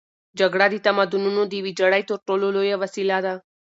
جګړه د تمدنونو د ویجاړۍ تر ټولو لویه وسیله ده.